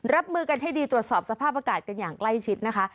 รับมือกันให้ดีตรวจสอบสภาพอากาศกันอย่างใกล้ชิดนะคะ